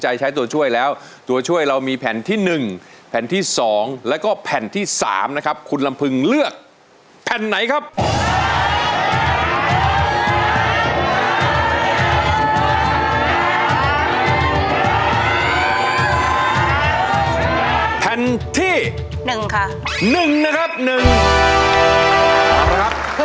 เอาละครับตัวช่วยแผ่นที่๑นะครับที่คุณลำพึงเลือกนะครับก็คือ